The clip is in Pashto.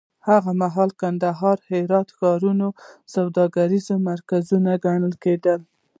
هغه مهال کندهار او هرات ښارونه سوداګریز مرکزونه ګڼل کېدل.